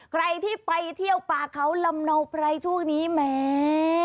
ใครที่ไปเที่ยวป่าเขาลำเนาไพรช่วงนี้แหม